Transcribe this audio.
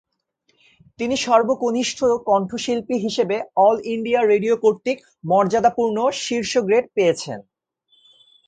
তিনি সর্বকনিষ্ঠ কণ্ঠশিল্পী হিসেবে অল ইন্ডিয়া রেডিও কর্তৃক মর্যাদাপূর্ণ ‘শীর্ষ গ্রেড’ পেয়েছেন।